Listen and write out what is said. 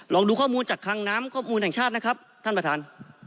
ดูข้อมูลจากคังน้ำข้อมูลแห่งชาตินะครับท่านประธาน